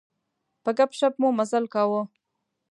په ګپ شپ مو مزال کاوه.